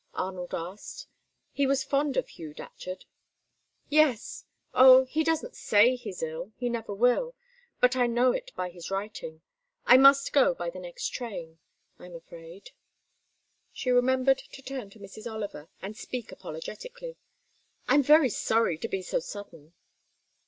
Arnold asked. He was fond of Hugh Datcherd. "Yes oh, he doesn't say he's ill, he never will, but I know it by his writing I must go by the next train, I'm afraid"; she remembered to turn to Mrs. Oliver and speak apologetically. "I'm very sorry to be so sudden."